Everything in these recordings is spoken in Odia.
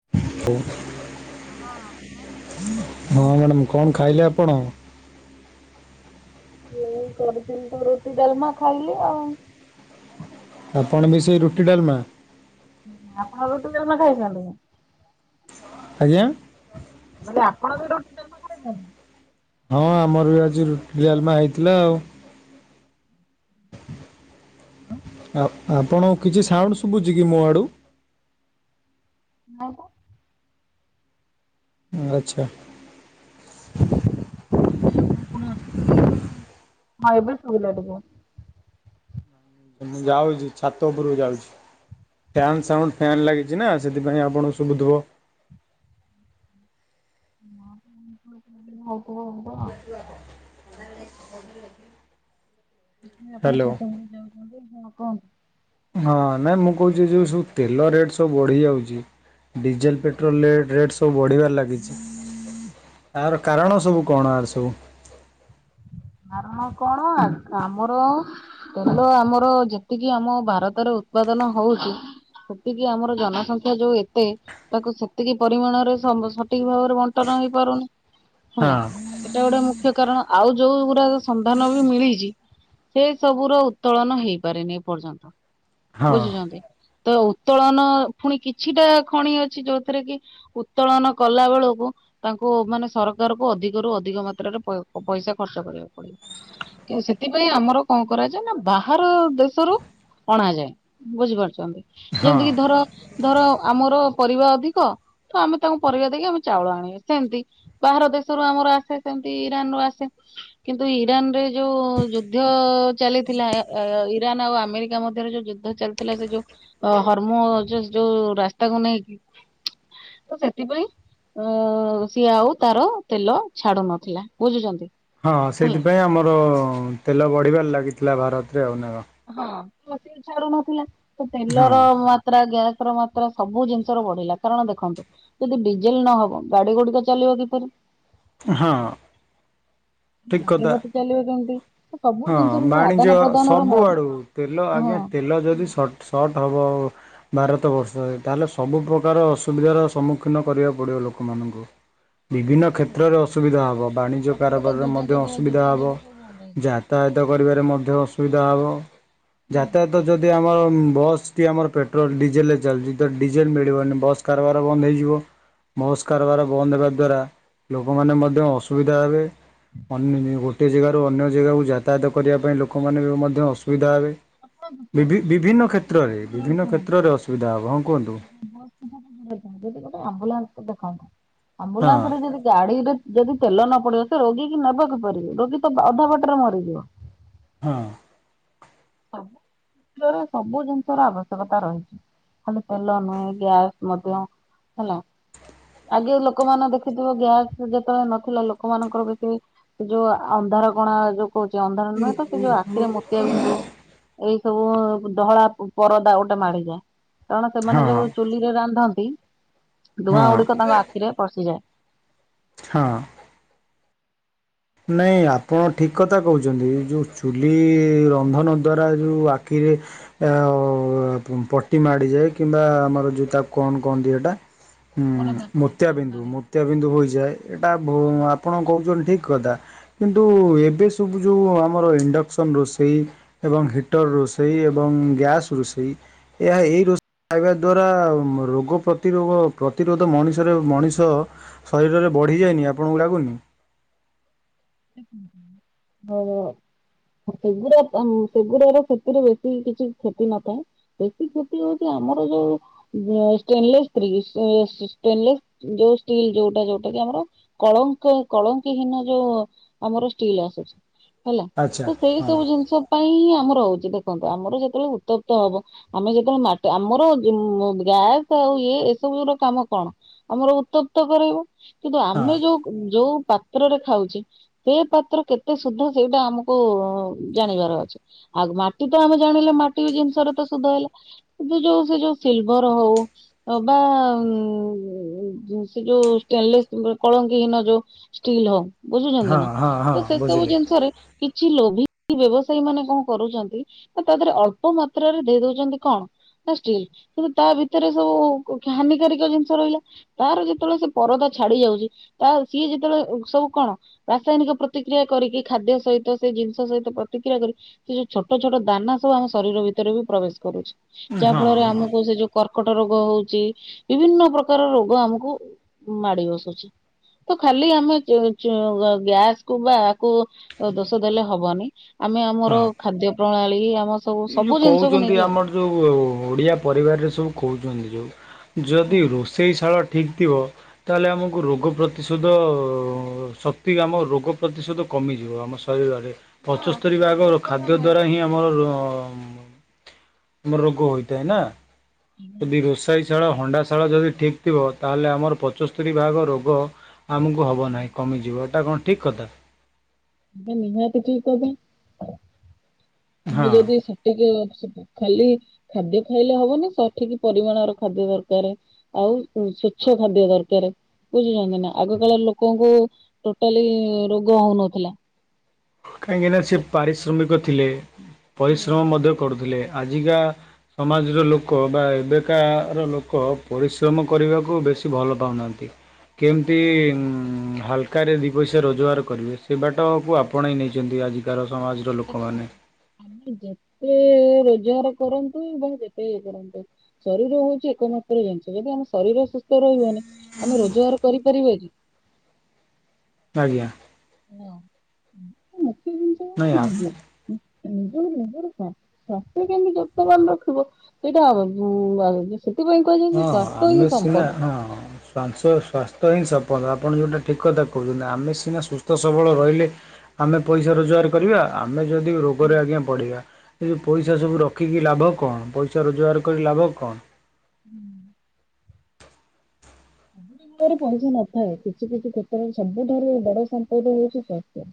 [inaudible] ହଁ କୁହନ୍ତୁ। ହଁ ମ୍ୟାଡ଼ାମ, କଣ ଖାଇଲେ ଆପଣ? ଏଇ କରିଥିଲି ତ ରୁଟି, ଡାଲମା ଖାଇଲି ଆଉ। ଆପଣ ବି ସେଇ ରୁଟି, ଡାଲମା। ଆପଣ ରୁଟି ଡ଼ାଲମା ଖାଇଚନ୍ତି? ଆଜ୍ଞା। ମୁଁ କହିଲି ଆପଣ ବି ରୁଟି ଡ଼ାଲମା ଖାଇଛନ୍ତି। ହଁ ଆମର ବି ଆଜି ରୁଟି ଡ଼ାଲମା ହେଇଥିଲା ଆଉ। ଆ ଆପଣ କିଛି ସାଉଣ୍ଡ ଶୁଭୁଛି କି ମୋ ଆଡୁ? ନାଁ ତ। ଆଚ୍ଛା। ଆପଣ [unintelligible] ମାନେ ହଁ ଏବେ ଶୁଭିଲା ଟିକେ। ମୁଁ ଯାଉଛି, ଛାତ ଉପରକୁ ଯାଉଛି। ଫ୍ୟାନ୍ ସାଉଣ୍ଡ ଫ୍ୟାନ୍ ଲାଗିଛି ନା, ସେଥିପାଇଁ ଆପଣଙ୍କୁ ଶୁଭୁଥିବ। [unintelligible] ବ କ ନାଇଁ ଆପଣ ହ୍ୟାଲୋ ଛାତ ଉପରକୁ ଯାଉଛନ୍ତି, ହଁ କୁହନ୍ତୁ। ହଁ ନାଇଁ ମୁଁ କହୁଛି ଯୋଉ ସବୁ ତେଲ ରେଟ୍ ସବୁ ବଢି ଯାଉଛି ଡିଜେଲ୍, ପେଟ୍ରୋଲରେ ରେଟ୍ ସବୁ ବଢ଼ିବାରେ ଲାଗିଛି। ତାର କାରଣ ସବୁ କଣ, ଆର ସବୁ? କାରଣ କଣ, ଆମର ତେଲ ଆମର ଯେତିକି ଆମ ଭାରତରେ ଉତ୍ପାଦନ ହଉଚି ସେତିକି ଆମର ଜନସଂଖ୍ୟା ଯୋଉ ଏତେ ତାକୁ ସେତିକି ପରିମାଣରେ ସଠିକ ଭାବରେ ବଣ୍ଟନ ହେଇପାରୁନି। ହେଲା, ହଁ ସେଟା ଗୋଟେ ମୁଖ୍ୟ କାରଣ ଆଉ ଯୋଉ ଗୁଡା ସନ୍ଧାନ ବି ମିଳିଛି, ସେ ସବୁ ର ଉତ୍ତୋଳନ ହେଇପାରେନି ଏପର୍ଯ୍ୟନ୍ତ। ହଁ ବୁଝୁଛନ୍ତି, ତ ଉତ୍ତୋଳନ ପୁଣି କିଛିଟା ଖଣି ଅଛି ଯୋଉଥିରେ କି ଉତ୍ତୋଳନ କଲା ବେଳକୁ ତାଙ୍କୁ ମାନେ ସରକାରକୁ ଅଧିକରୁୁ ଅଧିକ ମାତ୍ରାରେ ପ -ପଇସା ଖର୍ଚ୍ଚ କରିବାକୁ ପଡିବ। ସେଥିପାଇଁ ଆମର କଣ କରାଯାଏ ନା ବାହାର ଦେଶରୁ ଅଣାଯାଏ, ବୁଝିପାରୁଛନ୍ତି ହଁ ଯେମିତି କିି ଧର ଧର ଆମର ପରିବା ଅଧିକ ତ ଆମେ ତାଙ୍କୁ ପରିବା ଦେଇକି ଆମେ ଚାଉଳ ଆଣିବା, ସେମତି ବାହାର ଦେଶରୁୁ ଆମର ଆସେ ସେମତି ଇରାନ ରୁ ଆସେ। ହ କିନ୍ତୁ ଇରାନରେ ଯଉ ଯୁଦ୍ଧ ଚାଲିଥିଲା ଇରାନ ଆଉ ଆମେରିକା ମଧ୍ୟରେ ଯେଉଁ ଯୁଦ୍ଧ ଚାଲି ଥିଲା ସେ ଯୋଉ, ହର୍ମୋ ଯୋଉ ରାସ୍ତାକୁ ନେଇକି। ତ ସେଥିପାଇଁ ଅ ସିଏ ଆଉ ତାର ତେଲ ଛାଡୁ ନଥିଲା, ବୁଝୁଛନ୍ତି? ହଁ ହେଲା। ସେଇଥିପାଇଁ ଆମର ତେଲ ବଢିବାରେ ଲାଗିଥିଲା, ଭାରତରେ ଆଉ ନା କଣ? ହଁ ତ ସିଏ ଛାଡ ନଥିଲା ତ ତେଲର ହଁ ମା ତ୍ରା ଗ୍ୟାସ ର ମାତ୍ରା ସବୁ ଜିନିଷ ର ବଢିଲା କାରଣ ଦେଖନ୍ତୁ ଯଦି ଡିଜେଲ ନହବ, ଗାଡି ଗୁଡିକ ଚାଲିବ କିପରି? ହଁ। ଠିକ କଥା, ଯନ୍ତ୍ରପାତି ଚାଲିବ କେମିତି ସବୁ ହଁ ଜିନିଷର ଯୋଉ ବାଣିଜ୍ୟ ଆଦାନ ପ୍ରଦାନର ମ ସବୁ ଆଡୁ ତେଲ ହଁ ଆଜ୍ଞା ତେଲ ଯଦି ସଟ ସର୍ଟ ହେବ ଭାରତବର୍ଷରେ ତାହେଲେ ସବୁପକାର ଅସୁବିଧାର ସମ୍ମୁଖୀନ କରିବାକୁ ପଡ଼ିବ ଲୋକମାନଙ୍କୁ। ବିଭିନ୍ନ କ୍ଷେତ୍ରରେ ଅସୁବିଧା ହବ, ବାଣିଜ୍ୟ କାରବାର ପ୍ରକୃତ ଯୋଗାଯୋଗ ଯୋଗାଯୋଗ ସବୁ ଭଲ ହେଇଛି। ଯାତାୟତ କରିବାରେ ମଧ୍ୟ ଅସୁବିଧା ହବ, ଯାତାୟାତ ଯଦି ଆମ ଆମର ବସ୍ ଟି ଆମର ପେଟ୍ରୋଲ ଡିଜେଲ ରେ ଚାଲଛି, ତ ଡିଜେଲ ମିଳିବନି ବସ୍ କାରବାର ବନ୍ଦ ହେଇଯିବ। ବସ୍ କାରବାର ବନ୍ଦ ହେବା ଦ୍ୱାରା, ଲୋକମାନେ ମଧ୍ୟ ଅସୁବିଧା ହେବେ। ଅନ୍ୟ ଗୋଟିଏ ଜାଗାରୁ ଅନ୍ୟ ଜାଗାକୁ ଯାତାୟାତ କରିବା ପାଇଁ ଲୋକମାନେ ବି ମଧ୍ୟ ଅସୁବିଧା ହେବେ। ବିଭି-ବିଭିନ୍ନ କ୍ଷେତ୍ରରେ ବିଭିନ୍ନ କ୍ଷେତ୍ରରେ ଅସୁବିଧା ହବ ହଁ କୁହନ୍ତୁ। [unintelligible] ଯଦି ଗୋଟେ ଆମ୍ବୁଲାନ୍ସ ଦେଖନ୍ତ ହଁ ଆମ୍ବୁଲାନ୍ସ ରେ ଯଦି ଗାଡିରେ ଯଦି ତେଲ ନ ପଡିବ ସେ ରୋଗୀ କି ନେବେ କିପରି ରୋଗୀ ତ ଅଧା ବାଟରେ ମରିଯିବ। ହଁ। ସବୁ ଦ୍ଵାରା ସବୁ ଜିନିଷ ର ଆବଶ୍ୟକତା ରହିଛି। ଖାଲି ତେଲ ନୁହେଁ ଗ୍ୟାସ ମଧ୍ୟ ହେଲା। ଆଗେ ଲୋକମନେ ଦେଖିଥିବ ଗ୍ୟାସ ଯେତେବେଳେ ନଥିଲା ଲୋକମାନଙ୍କର ବିକ୍ରି ଯୋଉ ଅନ୍ଧାର କଣା ଯୋଉ କହୁଛି ଅନ୍ଧାର ନୁହେଁ ତ ସେ ଯୋଉ ଆଖିରେ ମୋତିଆ ବିନ୍ଧୁ ଏଇ ସବୁ ଧହଳା ପରଦା ଗୋଟେ ମାଡିଯାଏ, କାରଣ ସେମାନେ ହଁ ଯୋଉ ଚୁଲି ରେ ରାନ୍ଧନ୍ତି ହଁ ଧୂଆଁ ଗୁଡିକ ତାଙ୍କ ଆଖିରେ ପଶିଯାଏ। ହଁ। ନାଇଁ ଆପଣ ଠିକ୍ କଥା କହୁଛନ୍ତି, ଯେଉଁ ଚୁଲି ରନ୍ଧନ ଦ୍ଵାରା ଯେଉଁ ଆଖିରେ ପଟି ମାଡ଼ିଯାଏ କିମ୍ବା ଆମର ଯୋଉ ତାକୁ କଣ କହନ୍ତିି ଏଟା ହଁ ପରଦା ମୋତିଆ ପଡିଯାଏ ବିନ୍ଦୁ ମୋତିଆ ବିନ୍ଦୁ ହୋଇଯାଏ, ଏଇଟା ଆପଣ କହୁଛନ୍ତି ଠିକ କିନ୍ତୁ ଏବେ ସବୁ ଯୋଉ ଆମର ଇଣ୍ଡକ୍ସନ ରୋଷେଇ ଏବଂ ହିଟର୍ ରୋଷେଇ ଏବଂ ଗ୍ୟାସ୍ ରୋଷେଇ ଏହା ଏହି ରୋଷେଇ ଖାଇବା ଦ୍ଵାରା ରୋଗ ପ୍ରତିରୋଗ ପ୍ରତିରୋଧ ମଣିଷରେ ମଣିଷ ଶରୀରରେ ବଢ଼ିଯାଏନି, ଆପଣଙ୍କୁ ଲାଗୁନି? ହଵ। ସେଗୁଡା ସେଗୁଡାର ସେଥିରେ ବେଶୀ କିଛି କ୍ଷତି ନଥାଏ। ଏତି କ୍ଷତି ହଉଛି ଆମର ଯୋଉ [unintelligible] ଷ୍ଟେନଲେସଷ୍ଟିଲ ଯୋଉଟା ଯୋଉଟା କି ଆମର କଳଙ୍କ କଳଙ୍କି ହୀନ ଯୋଉ ଆମର ଷ୍ଟିଲ୍ ଆସୁଛି ହେଲା ଆଚ୍ଛା ତ ସେଇ ହଁ। ସବୁ ଜିନିଷ ପାଇଁ ହିଁ ଆମର ହଉଛି ଦେଖନ୍ତୁ ଆମର ଯେତେବେଳେ ଉତ୍ତପ୍ତ ହବ ଆମେ ଯେତେବେଳେ ମାଟ ଆମର ଗ୍ୟାସ ଆଉ ଇଏ ଏସବୁ ର କାମ କଣ। ଆମର ଉତ୍ତପ୍ତ କରାଇବ କିନ୍ତୁ ହଁ ଆମେ ଯୋଉ ଯୋଉ ପାତ୍ରରେ ଖାଉଛେ ସେ ପାତ୍ର କେତେ ସୁଧ ସେଇଟା ଆମକୁ ଜାଣିବାର ଅଛି ଆଉ ମାଟି ତ ଆମେ ଜାଣିଲେ ମାଟି ଜିନିଷର ତ ସୁଧ ହେଲା। କି ଯୋଉ ସେ ଯୋଉ ସିଲଭର ହଉ ବା ଉ ସେ ଯୋଉ ଷ୍ଟେନ୍ ଲେସ କଳଙ୍କିହୀନ ଯଉ ଷ୍ଟିଲ୍ ହଉ ହଁ ବୁଝୁଛନ୍ତି ନା ହଁ ହଁ ତ ସେ ସବୁ ବୁଝିଲି ଜିନିଷରେ କିଛି ଲୋଭି ବ୍ୟବସାୟୀ ମାନେ କଣ କରୁଛନ୍ତି ତା ଦେହରେ ଅଳ୍ପ ମାତ୍ରାରେ ଦେଇ ଦଉଛନ୍ତି କଣ ନା ଷ୍ଟିଲ କିନ୍ତୁ ତା ଭିତରେ ସବୁ ହାନିକାରକ ଜିନିଷ ରହିଲା ତାର ଯେତେବେଳେ ସେ ପରଦା ଛାଡି ଯାଉଛି ତା ସିଏ ଯେତେବେଳେ ସବୁ କଣ ରାସାୟନିକ ପ୍ରତିକ୍ରିୟା କରିକି ଖାଦ୍ୟ ସହିତ ସେ ଜିନିଷ ସହିତ ପ୍ରତିକ୍ରିୟା କରିକି ସେ ଯୋଉ ଛୋଟ ଛୋଟ ଦାନା ସବୁ ଆମ ଶରୀର ଭିତରେ ବି ପ୍ରବେଶ କରୁଛି ଯାହା ହଁ ଫଳରେ ହଁ ଆମକୁ ସେ ଯୋଉ କର୍କଟ ରୋଗ ହଉଛି ବିଭିନ୍ନ ପ୍ରକାର ରୋଗ ଆମକୁ ମାଡି ବସୁଛି ତ ଖାଲି ଆମେ ଚ ଚ ଗ୍ୟାସ୍ ବା ଆକୁ ଦୋଷ ଦେଲେ ହବନି ଆମେ ଆମର ହଁ। ଖାଦ୍ୟ ପ୍ରଣାଳୀ ଆମ ସବୁ ଏଇ ଯୋଉ ସବୁ ଜିନିଷକୁ କହୁଛନ୍ତି ନେଇକି ଆମର ହବ। ଯୋଉ ଓଡିଆ ପରିବାରରେ ସବୁ କହୁଛନ୍ତି ଯୋଉ ଯଦି ରଷ ସେହି ଶାଳ ଠିକ୍ ଥିବ ତାହେଲେ ଆମକୁ ରୋଗ ପ୍ରତିଶୋଧ ଶକ୍ତି ଆମ ରୋଗ ପ୍ରତିଶୋଧ କମିଯିବ ଆମ ଶରୀରରେ ପଞ୍ଚସ୍ତରୀ ଭାଗ ଖାଦ୍ୟ ଦ୍ୱାରା ହିଁ ଆମର ଆମର ରୋଗ ହୋଇଥାଏ ନା ଯଦି ରୋସାଇ ଶାଳ ହଣ୍ଡାଶାଳ ଯଦି ଠିକ୍ ଥିବ ତାହେଲେ ଆମର ପଞ୍ଚସ୍ତରୀ ଭାଗ ରୋଗ ଆମକୁ ହେବ ନାହିଁ କମିଯିବ ଏଇଟା କଣ ଠିକ୍ କଥା? ଏଟା ନିହାତି ଠିକ କଥା। ଆମେ ହଁ। ଯଦି ଟିକେ ଖାଲି ଖାଦ୍ୟ ଖାଇଲେ ହବନି ସଠିକ ପରିମାଣର ଖାଦ୍ୟ ଦରକାର। ଆଉ ସ୍ଵଚ୍ଛ ଖାଦ୍ୟ ଦରକାର। ବୁଝୁଛନ୍ତି ନା ଆଗକାଳ ଲୋକଙ୍କୁ ଟୋଟାଲି ରୋଗ ହଉନଥିଲା। କାହିଁକିନା ସେ ପାରିଶ୍ରମିକ ଥିଲେ ପରିଶ୍ରମ ମଧ୍ୟ କରୁଥିଲେ। ଆଜିକା ସମାଜର ଲୋକ ବା ଏବେକାର ଲୋକ ପରିଶ୍ରମ କରିବାକୁ ବେଶୀ ଭଲ ପାଉନାହାନ୍ତି? କେମିତି ହାଲକାରେ ଦୁଇ ପଇସା ରୋଜଗାର କରିବେ? ସେ ବାଟକୁ ଆପଣେଇ ନେଇଛନ୍ତି ଆଜିକାର ସମାଜ। ଦେଖ ଆମେ ଯେତେ ରୋଜଗାର କରନ୍ତୁ ବା ଯେତେ ଇଏ କରନ୍ତୁ ଶରୀର ହଉଛି ଏକମାତ୍ର ଜିନିଷ। ଯଦି ଆମ ଶରୀର ସୁସ୍ଥ ରହିବନି ଆମେ ରୋଜଗାର କରିପାରିବା କି? ଆଜ୍ଞା। ହଁ, ମୁଖ୍ୟ ଜିନିଷ ହେଉଛି ନାଇଁ ନିଜର ନିଜ ନିଜ ସ୍ବାସ୍ଥ୍ୟ କେମିତି ଯତ୍ନବାନ ରଖିବ ସେଇଟା ସେଥିପାଇଁ କୁହାଯାଇଛି ସ୍ୱାସ୍ଥ୍ୟ ହିଁ ସମ୍ପଦ ଶ୍ୱାଂସ ସ୍ୱାସ୍ଥ୍ୟ ହିଁ ସଂମ୍ପଦ ଆପଣ ଯେଉଁଟା ଠିକ କଥା କହୁଛନ୍ତି, ଆମେ ସିନା ସୁସ୍ଥ ସବଳ ରହିଲେ ଆମେ ପଇସା ରୋଜଗାର କରିବା। ଆମେ ଯଦି ରୋଗରେ ଆଜ୍ଞା ପଡ଼ିବା ସେ ଯୋଉ ପଇସା ସବୁ ରଖିକି ଲାଭ କଣ? ପଇସା ରୋଜଗାର କରି ଲାଭ କଣ? [inaudible] ରେ ପଇସା ନଥାଏ କିଛି କିଛି କ୍ଷେତ୍ରରେ ସବୁଠାରୁ ବଡ ସମ୍ପଦ ହଉଛି ସ୍ୱାସ୍ଥ୍ୟ।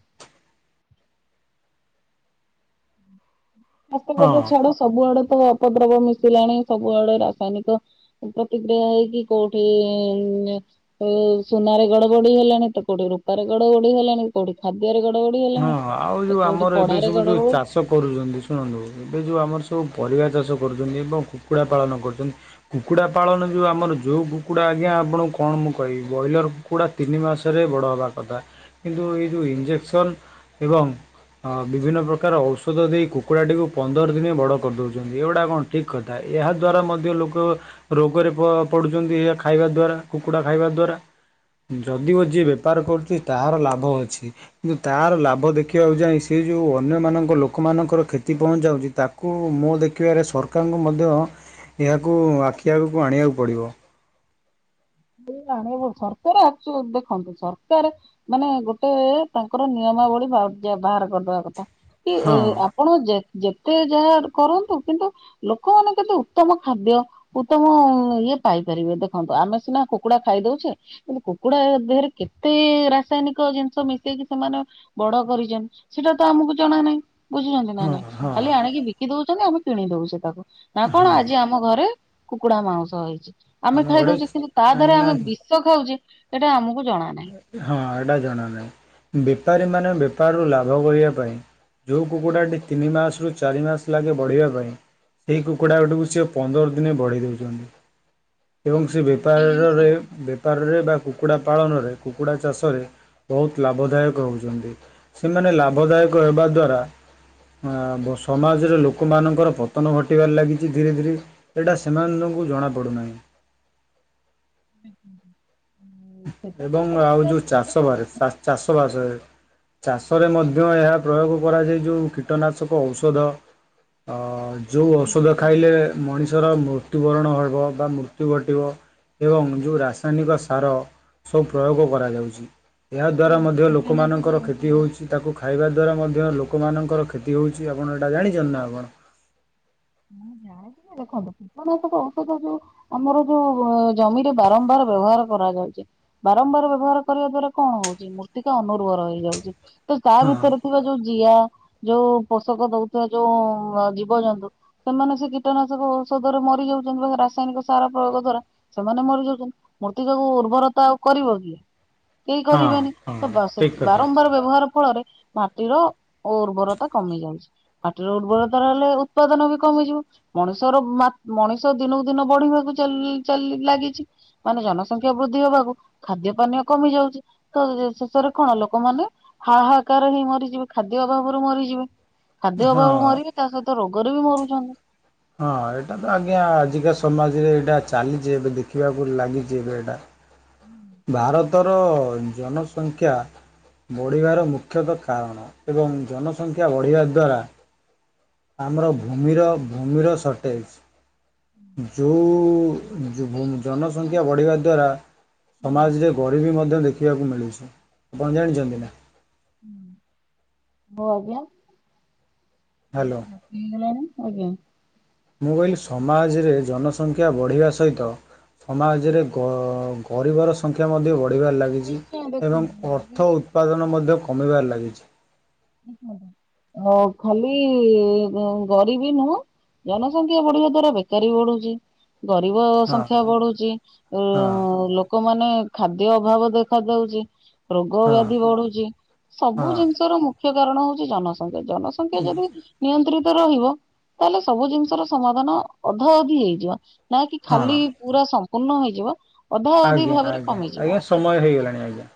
ଅପ ହଁ ବ୍ୟବହାର ଛାଡ ସବୁଆଡେ ତ ଅପଦ୍ରବ ମିଶିଲାଣି ସବୁଆଡେ ରାସାୟନିକ ପ୍ରତିକ୍ରିୟା ହେଇକି କେଉଠି ସୁନାରେ ଗଡ ବଡି ହେଲାଣି ତ କୋଉଠି ରୂପାରେ ଗଡ ବଡି ହେଲାଣି। କୋଉଠି ଖାଦ୍ୟରେ ଗଡ ଗଡି ହଁ ହେଲାଣି ଆଉ ଯୋଉ ତ କୋଉଠି ଆମର ଏବେ ପଢାରେ ସବୁ ଯୋଉ ଗଡ ଗୋଳୋଉଚି। ଚାଷ କରୁଚନ୍ତି ଶୁଣନ୍ତୁ ଏବେ ଯେଉଁ ଆମର ସବୁ ପରିବା ଚାଷ କରୁଚନ୍ତି ଏବଂ କୁକୁଡ଼ା ପାଳନ କରୁଚନ୍ତି। କୁକୁଡା ପାଳନ ଯୋଉ ଆମର ଯୋଉ କୁକୁଡା ଆଜ୍ଞା ଆପଣଙ୍କୁ କଣ ମୁଁ କହିବି ବ୍ର‌ଇଲର କୁକୁଡା ତିନି ମାସରେ ବଡ ହେବା କଥା କିନ୍ତୁ ଏଇ ଯୋଉ ଇଞ୍ଜେକ୍ସନ୍ ଏବଂ ହଁ ବିଭିନ୍ନ ପ୍ରକାର ଔଷଧ ଦେଇ କୁକୁଡ଼ାଟିକୁ ପନ୍ଦର ଦିନେ ବଡ କରିଦୋଉଚନ୍ତି। ଏଗୁଡା କଣ ଠିକ୍ କଥା ଏହା ଦ୍ୱାରା ମଧ୍ୟ ଲୋକ ରୋଗରେ ପ-ପଡୁଚନ୍ତି ଏହା ଖାଇବା ଦ୍ଵାରା କୁକୁଡା ଖାଇବା ଦ୍ଵାରା। ଯଦିଓ ଯିଏ ବେପାର କରୁଚି ତାହାର ଲାଭ ଅଛି କି ତାର ଲାଭ ଦେଖେଇବାକୁ ଯାଇ ସେ ଯୋଉ ଅନ୍ୟମାନଙ୍କ ଲୋକମାନଙ୍କର କ୍ଷତି ପହଞ୍ଚାଉଚି ତା କୁ ମୋ ଦେଖିବାରେ ସରକାରଙ୍କୁ ମଧ୍ୟ ଏହାକୁ ଆଖି ଆଗକୁ ଆଣିବାକୁ ପଡିବ। [unintelligible] ସରକାର ଆସୁ ଦେଖନ୍ତୁ ସରକାର ମାନେ ଗୋଟେ ତାଙ୍କର ନିୟମାବଳୀ [unintelligible] ବାହାର କରିଦବା କଥା କି ଏ ହଁ ଆ ଆପଣ ଯେ-ଯେତେ ଯାହା କରନ୍ତୁ କିନ୍ତୁ ଲୋକମାନେ କେତେ ଉତ୍ତମ ଖାଦ୍ୟ ଉତ୍ତମ ଇଏ ପାଇପାରିବେ ଦେଖନ୍ତୁ। ଆମେ ସିନା କୁକୁଡା ଖାଇ ଦଉଚେ କିନ୍ତୁ କୁକୁଡା ଦେହରେ କେତେ ରାସାୟନିକ ଜିନିଷ ମିଶେଇକି ସେମାନ ବଡ କରିଚନ୍ତି ସେଟା ତ ଆମକୁ ଜଣା ନାହିଁ। ବୁଝୁଚନ୍ତି ନାଇଁ ହଁ ନାଇଁ ହଁ ଖାଲି ଆଣିକି ବିକି ଦୋଉଚନ୍ତି। ଆମେ କିଣି ଦୋଉଚେ ତାକୁ ନା କଣ ହଁ ଆଜି ଆ ମ ଘରେ କୁକୁଡା ମାଉସ ହେଇଚି ଆମେ ଆମ ଘରେ ଖାଇଦୋଉଚେ କିନ୍ତୁ ତା କାହିଁକି ଦେହରେ ନା ଆମେ ବି ସ ଖାଉଚି ଏଟା ଆମକୁ ଜଣା ନାହିଁ। ହଁ ଏଟା ଜଣା ନାହିଁ। ବେପାରୀ ମାନେ ବେପାରରୁ ଲାଭ କରିବା ପାଇଁ ଯୋଉ କୁକୁଡାଟି ତିନି ମାସରୁ ଚାରି ମାସ ଲାଗେ ବଢିବା ପାଇଁ ସେଇ କୁକୁଡ଼ା ଗୁଡିକୁ ସିଏ ପନ୍ଦର ଦିନେ ବଢେଇ ଦୋଉଚନ୍ତି। ଏବଂ ସେ ଏଇ ଜିନିଷ ବେପାରରେ ବେପାରରେ ବା କୁକୁଡ଼ା ପାଳନରେ କୁକୁଡା ଚାଷରେ ବୋହୁତ ଲାଭଦାୟକ ହୋଉଚନ୍ତି। ସେମାନେ ଲାଭଦାୟକ ହେବା ଦ୍ଵାରା ଆଁ ବ ସମାଜରେ ଲୋକମାନଙ୍କର ପତନ ଘଟିବାରେ ଲାଗିଚି ଧୀରେ ଧୀରେ। ଏଟା ସେମାନଙ୍କୁ ଜଣାପଡୁନାହିଁ। ଏବଂ ଆଉ ଯୋଉ ଚାଷ ବାରେ ଚା-ଚାଷ ବାସେ। ଚାଷରେ ମଧ୍ୟ ଏହା ପ୍ରୟୋଗ କରାଯାଏ ଯୋଉ କୀଟନାଶକ ଔଷଧ। ଅ ଯୋଉ ଔଷଧ ଖାଇଲେ ମଣିଷର ମୃତ୍ୟୁବରଣ ହବ ବା ମୃତ୍ୟୁ ଘଟିବ। ଏବଂ ଯୋଉ ରାସାୟନିକ ସାର ସବୁ ପ୍ରୟୋଗ କରାଯାଉଚି। ଏହାଦ୍ଵାରା ମଧ୍ୟ ଲୋକମାନଙ୍କର କ୍ଷତି ହୋଉଚି। ତାକୁ ଖାଇବା ଦ୍ୱାରା ମଧ୍ୟ ଲୋକମାନଙ୍କର କ୍ଷତି ହୋଉଚି ଆପଣ ଏଇଟା ଜାଣିଚନ୍ତି ନା ଆପଣ? ହଁ ଯାଣିଚି ଯେ ଦେଖନ୍ତୁ। କୀଟନାଶକ ଔଷଧ ଯୋଉ ଆମର ଯୋଉ ଜମିରେ ବାରମ୍ବାର ବ୍ୟବହାର କରାଯାଉଚି। ବାରମ୍ବାର ବ୍ୟବହାର କରିବା ଦ୍ଵାରା କଣ ହୋଉଚି ମୂର୍ତ୍ତିକା ଅନୁର୍ବର ହେଇଯାଉଚି। ତ ତା ହଁ। ଭିତରେ ଥିବା ଯୋଉ ଜିଆ ଯୋଉ ପୋଷକ ଦୋଉଥିବା ଯୋଉ ଜୀବଜନ୍ତୁ ସେମାନେ ସେ କୀଟନାଶକ ଔଷଧରେ ମରି ଯାଉଚନ୍ତି [unintelligible] ରାସାୟନିକ ସାର ପ୍ରୟୋଗ ଦ୍ଵାରା। ସେମାନେ ମରି ଯାଉଚନ୍ତି ମୂର୍ତ୍ତିକାକୁ ଉର୍ବରତା ଆଉ କରିବ କି? କେହି ହଁ କରିବେନି ତ ହଁ ବା ଠିକ ସେଥି କଥା। ବାରମ୍ବାର ବ୍ୟବହାର ଫଳରେ ମାଟିର ଉର୍ବରତା କମି ଯାଉଚି। ମାଟିର ଉର୍ବରତା ରହିଲେ ଉତ୍ପାଦନ ବି କମିଯିବ ମଣିଷର ମା ମଣିଷ ଦିନକୁ ଦିନ ବଢିବାକୁ ଚା ଲି ଚାଲି ଲାଗିଚି। ମାନେ ଜନସଂଖ୍ୟା ବୃଦ୍ଧି ହବାକୁ ଖାଦ୍ୟ ପାନୀୟ କମି ଯାଉଚି। ତ ଶେଷ-ଶେଷରେ କଣ ଲୋକମାନେ ହାହାକାର ହେଇ ମରିଯିବେ। ଖାଦ୍ୟ ଅଭାବରୁ ମରିଯିବେ। ଖାଦ୍ୟ ଅଭାବରୁ ହଁ। ମରିବେ ତା ସହିତ ରୋଗରେ ବି ମରୁଚନ୍ତି। ହଁ ଏଇଟା ତ ଆଜ୍ଞା ଆଜିକା ସମାଜରେ ଏଇଟା ଚାଲିଚି ଏବେ ଦେଖିବାକୁ ଲାଗିଛି ଏବେ ଏଇଟା। ହୁଁ। ଭାରତର ଜନସଂଖ୍ୟା ବଢ଼ିବାର ମୁଖ୍ୟତଃ କାରଣ ଏବଂ ଜନସଂଖ୍ୟା ବଢ଼ିବା ଦ୍ୱାରା ଆମର ଭୂମିର ଭୂମିର ସର୍ଟେଜ। ଯୋଉଁ ଜନସଂଖ୍ୟା ବଢ଼ିବା ଦ୍ୱାରା ସମାଜରେ ଗରିବୀ ମଧ୍ୟ ଦେଖିବାକୁ ମିଳୁଛି ଆପଣ ଜାଣିଚନ୍ତି ନା? ହୁଁ ହୋଉ ଆଜ୍ଞା। ହାଲୋ। ହେଇଗଲାଣି ଆଜ୍ଞା। ମୁଁ କହିଲି ସମାଜରେ ଜନସଂଖ୍ୟା ବଢ଼ିବା ସହିତ। ସମାଜରେ ଗ ଗରିବର ସଂଖ୍ୟା ମଧ୍ୟ ବଢି ବଢ଼ିବାର ଲାଗିଚି ଏବଂ ଅର୍ଥ ଉତ୍ପାଦନ ମଧ୍ୟ କମିବାରେ ଲାଗିଛି। ଅ ଖାଲି ଗରିବି ନୁହଁ। ଜନସଂଖ୍ୟା ବଢିବା ଦ୍ଵାରା ବେକାରୀ ବି ବଢୁଚି। ଗରିବ ହଁ ସଂଖ୍ୟା ବଢୁଚି ଉଁ ହଁ ଲୋ ଲୋକମାନେ ଖାଦ୍ୟ ଅଭାବ ଦେଖା ଦେଉଛି। ରୋଗ ହଁ ବ୍ୟାଧି ବଢୁଚି ସବୁ ହଁ ଜିନିଷ ର ମୁଖ୍ୟ କାରଣ ହୋଉଚି ଜନସଂଖ୍ୟା ଜନଖ ସଂଖ୍ୟା ଯଦି ନିୟନ୍ତ୍ରିତ ରହିବ ତାହେଲେ ସବୁ ଜିନିଷର ସମାଧାନ ଅଧା ଅଧି ହେଇଯିବ। ନା କି ଖାଲି ହଁ ପୁରା ସମ୍ପୂର୍ଣ୍ଣ ହୋଇଯିବ ଅଧା ଅଧି ଆଜ୍ଞା ଭାବରେ ଆଜ୍ଞା ଆଜ୍ଞା କମିଯିବ। ସମୟ ହୋଇଗଲାଣି ଆଜ୍ଞା।